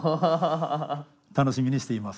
楽しみにしています。